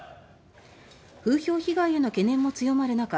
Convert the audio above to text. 風評被害への懸念も強まる中